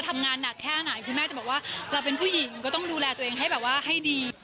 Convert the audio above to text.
เราเป็นผู้หญิงเจอดูแลตัวเองให้ดี